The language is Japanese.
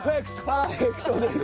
パーフェクトです。